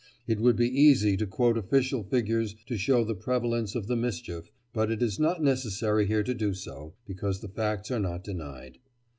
It would be easy to quote official figures to show the prevalence of the mischief, but it is not necessary here to do so, because the facts are not denied.